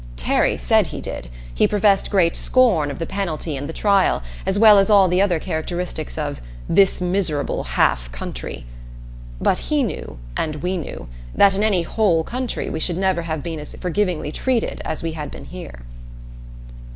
Terry said he did. He professed great scorn of the penalty and the trial, as well as all the other characteristics of "this miserable half country." But he knew, and we knew, that in any "whole" country we should never have been as forgivingly treated as we had been here.